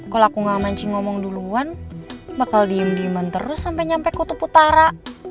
kalau aku gak mancing ngomong duluan bakal diem diem terus sampai nyampe kutub utara